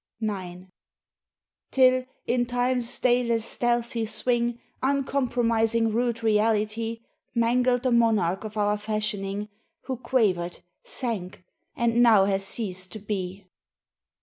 IX "Till, in Time's stayless stealthy swing, Uncompromising rude reality Mangled the Monarch of our fashioning, Who quavered, sank; and now has ceased to be.